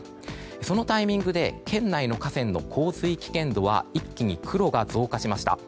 そのタイミングで県内の河川の洪水危険度は一気に黒が増加しました。